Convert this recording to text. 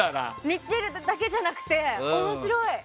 似てるだけじゃなくて面白い。